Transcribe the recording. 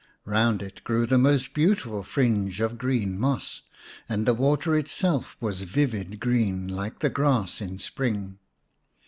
Kound it grew a most beautiful fringe of green moss, and the water itself was vivid green, like the grass in spring.